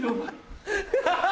ハハハ！